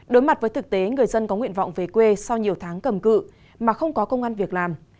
đối mặt với thực tế người dân có nguyện vọng về quê sau nhiều tháng cầm cự mà không có công an việc làm